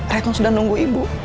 retno sudah nunggu ibu